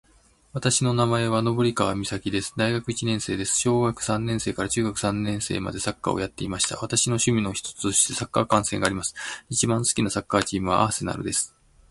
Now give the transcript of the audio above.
私の名前は登川岬です。大学一年生です。小学三年生から中学三年生までサッカーをやっていました。私の趣味の一つとしてサッカー観戦があります。一番好きなサッカーチームは、アーセナルです。